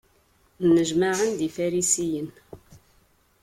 Nnejmaɛen-d Ifarisiyen.